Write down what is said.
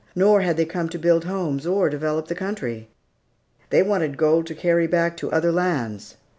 Nor had they come to build homes or develop the country. They wanted gold to carry back to other lands.